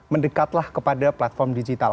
mendekatlah kepada platform digital